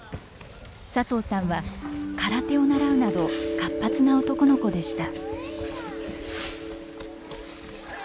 佐藤さんは空手を習うなど活発な男の子でした。